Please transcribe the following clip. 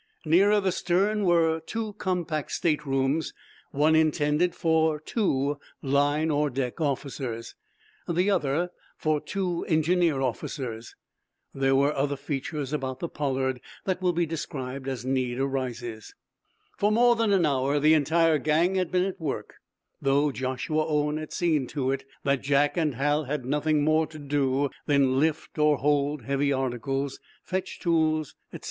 Nearer the stern were two compact state rooms, one intended for two "line" or "deck" officers, the other for two engineer officers. There were other features about the "Pollard" that will be described as need arises. For more than an hour the entire gang had been at work, though Joshua Owen had seen to it that Jack and Hal had nothing more to do than lift or hold heavy articles, fetch tools, etc.